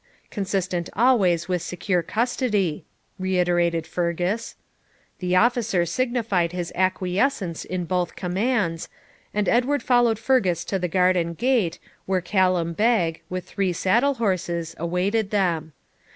'Consistent always with secure custody,' reiterated Fergus. The officer signified his acquiescence in both commands, and Edward followed Fergus to the garden gate, where Callum Beg, with three saddle horses, awaited them.